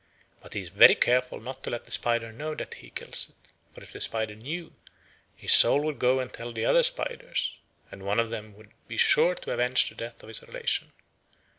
But he is very careful not to let the spider know that he kills it, for if the spider knew, his soul would go and tell the other spiders, and one of them would be sure to avenge the death of his relation.